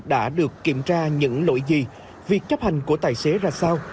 đã được kiểm tra những lỗi gì việc chấp hành của tài xế ra sao